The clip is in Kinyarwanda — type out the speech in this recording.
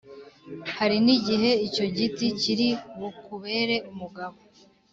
Hari n’igihe icyo giti kiri bukubere umugabo!